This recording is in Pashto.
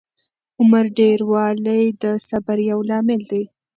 عمر ډېروالی د صبر یو لامل دی.